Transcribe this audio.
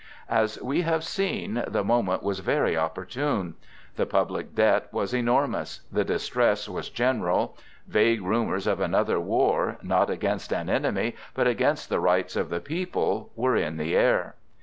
As we have seen, the moment was very opportune. The public debt was enormous; the distress was general; vague rumors of another war, not against an enemy, but against the rights of the people, were in the air.